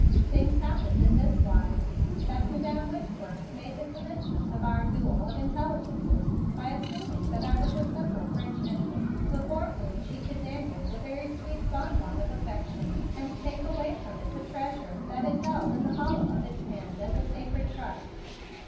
Things happened in this wise: That Madam Whitworth made the commencement of our duel of intelligences by assuming that I was a simple French infant before whom she could dangle the very sweet bonbon of affection and take away from it a treasure that it held in the hollow of its hand as a sacred trust.